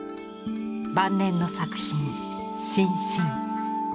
晩年の作品「心神」。